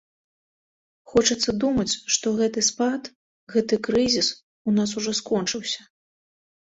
Хочацца думаць, што гэты спад, гэты крызіс у нас ужо скончыўся.